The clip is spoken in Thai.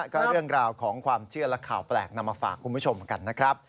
ก็เรื่องราวของความเชื่อและข่าวแปลกนำมาฝากคุณผู้ชมกันนะครับ